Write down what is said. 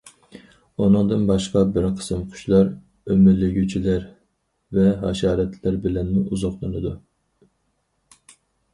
ئۇنىڭدىن باشقا بىر قىسىم قۇشلار، ئۆمىلىگۈچىلەر ۋە ھاشاراتلار بىلەنمۇ ئوزۇقلىنىدۇ.